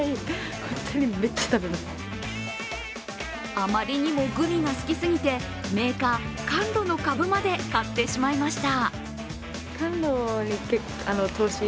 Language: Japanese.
あまりにもグミが好きすぎてメーカー、カンロの株まで買ってしまいました。